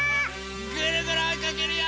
ぐるぐるおいかけるよ！